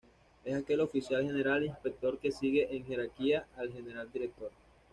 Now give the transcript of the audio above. Es aquel Oficial General Inspector que sigue en jerarquía al General Director.